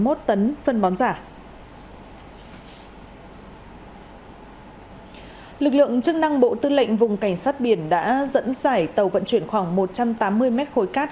lực lượng chức năng bộ tư lệnh vùng cảnh sát biển đã dẫn dải tàu vận chuyển khoảng một trăm tám mươi mét khối cát